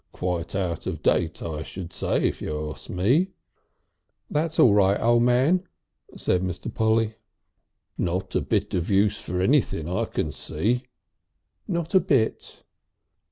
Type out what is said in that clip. Quite out of date I should say if you asked me." "That's all right, O' Man," said Mr. Polly. "Not a bit of use for anything I can see." "Not a bit."